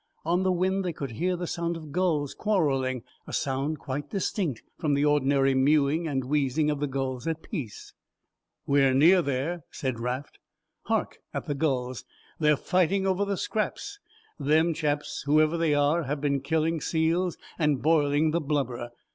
On the wind they could hear the sound of gulls quarrelling, a sound quite distinct from the ordinary mewing and wheezing of the gulls at peace. "We're near there," said Raft. "Hark at the gulls, they're fighting over the scraps. Them chaps, whoever they are, have been killing seals and boiling the blubber.